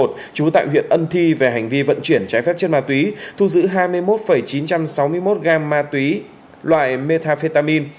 trú tại huyện ân thi về hành vi vận chuyển trái phép chất ma túy thu giữ hai mươi một chín trăm sáu mươi một gam ma túy loại metafetamin